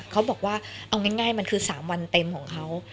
เขาบอกว่าเอาง่ายมันคือ๓วันเต็มของเขา